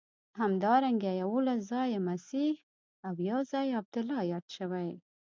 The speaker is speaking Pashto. همدارنګه یوولس ځایه مسیح او یو ځای عبدالله یاد شوی.